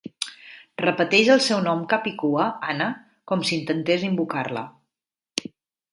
Repeteix el seu nom capicua, Anna, com si intentés invocar-la.